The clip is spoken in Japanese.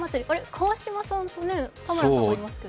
川島さんと田村さんがいますけど。